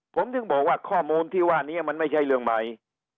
ผมถึงบอกว่าข้อมูลที่ว่านี้มันไม่ใช่เรื่องใหม่